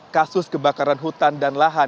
kasus kebakaran hutan dan lahan